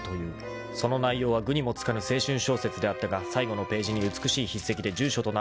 ［その内容は愚にも付かぬ青春小説であったが最後のページに美しい筆跡で住所と名前が書いてあった］